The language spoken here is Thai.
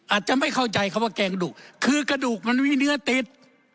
อาจจะไม่เข้าใจคำว่าแกงดุคือกระดูกมันมีเนื้อติด